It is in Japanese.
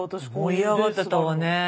盛り上がってたわね。